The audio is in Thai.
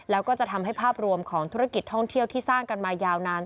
แล้วก็จะทำให้ภาพรวมของธุรกิจท่องเที่ยวที่สร้างกันมายาวนาน